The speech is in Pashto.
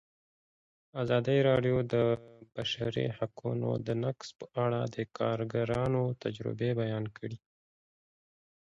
ازادي راډیو د د بشري حقونو نقض په اړه د کارګرانو تجربې بیان کړي.